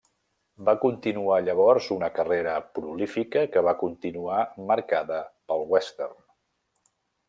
Va continuar llavors una carrera prolífica que va continuar marcada pel western.